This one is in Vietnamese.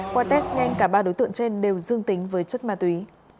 qua test nhanh cả ba đối tượng trên đều dương tính với chất ma túy